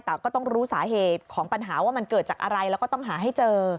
แต่ก็ต้องรู้สาเหตุของปัญหาว่ามันเกิดจากอะไรแล้วก็ต้องหาให้เจอ